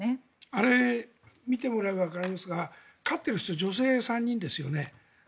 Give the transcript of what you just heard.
あれを見てもらえばわかりますが勝っている人は女性３人ですよね。